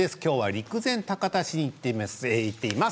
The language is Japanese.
陸前高田市に行っています。